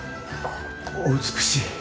お美しい。